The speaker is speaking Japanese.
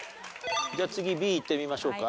じゃあ次Ｂいってみましょうか。